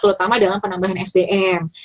terutama dalam penambahan sdm